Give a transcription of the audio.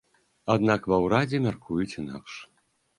Аднак ва ўрадзе мяркуюць інакш.